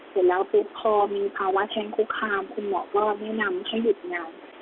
เสร็จแล้วปุ๊บพอมีภาวะแทงคุกคามคุณหมอก็แนะนำให้หยุดงาน